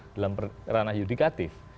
dalam ranah yudikatif